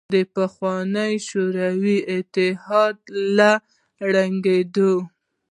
د پخواني شوروي اتحاد له ړنګېدو